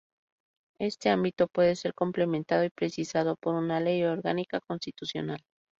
Este ámbito puede ser complementado y precisado por una ley orgánica constitucional.